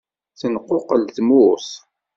Tenquqel tmurt.